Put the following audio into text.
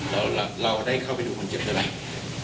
เราได้เข้าไปดูคนเจ็บใช่ไหม